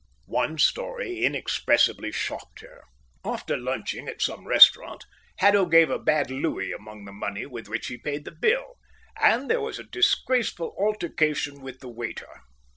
One story inexpressibly shocked her. After lunching at some restaurant, Haddo gave a bad louis among the money with which he paid the bill, and there was a disgraceful altercation with the waiter.